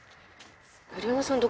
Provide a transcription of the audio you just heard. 古山さん